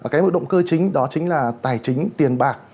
cái hội động cơ chính đó chính là tài chính tiền bạc